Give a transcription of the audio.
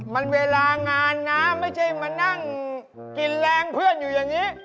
มันเวลางานนะไม่ใช่มานั่งกินแรงเพื่อนอยู่อย่างนี้